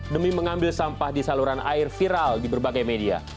demi mengambil sampah di saluran air viral di berbagai media